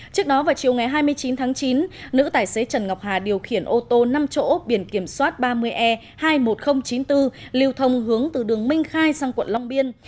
trước đó vào chiều ngày hai mươi chín tháng chín nữ tài xế trần ngọc hà điều khiển ô tô năm chỗ biển kiểm soát ba mươi e hai mươi một nghìn chín mươi bốn liều thông hướng từ đường minh khai sang quận long biên